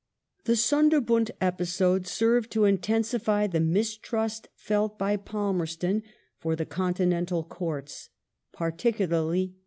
The Sonderbund episode served to intensify the mistrust felt by Palmerston for the continental Courts — particularly that of ^ See supra, p.